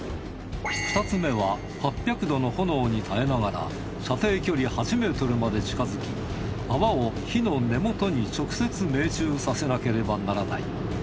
２つ目は８００℃の炎に耐えながら射程距離８ｍまで近づき泡を火の根元に直接命中させなければならない。